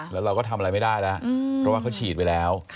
แล้วเราก็ทำอะไรไม่ได้แล้วเพราะว่าเขาฉีดไปแล้ว